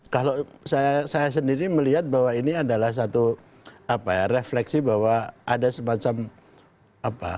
kalau saya sendiri melihat bahwa ini adalah satu refleksi bahwa ada semacam apa